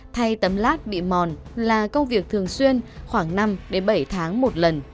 thay tấm lát bị mòn là công việc thường xuyên khoảng năm bảy tháng một lần